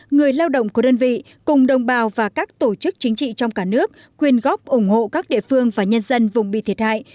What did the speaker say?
người lao động của đơn vị cùng đồng bào và các tổ chức chính trị trong cả nước quyên góp ủng hộ các địa phương và nhân dân vùng bị thiệt hại